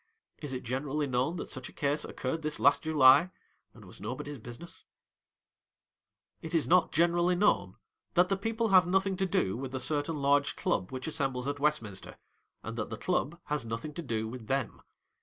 Is it generally known that such a case occurred this last July, and was nobody's business ? It is not generally known that the people have nothing to do with a certain lai'ge Club •which assembles at Westminster, and that the Club has nothing to do with them.